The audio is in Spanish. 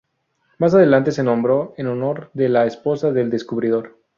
Más adelante, se nombró en honor de la esposa del descubridor.